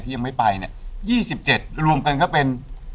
ยังไม่ไปเนี่ย๒๗รวมกันก็เป็น